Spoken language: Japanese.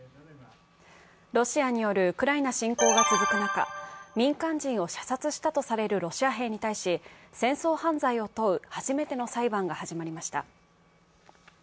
ロシアによるウクライナ侵攻が続く中、民間人を射殺したとされるロシア兵に対し、戦争犯罪を問う初めての裁判が始まりました。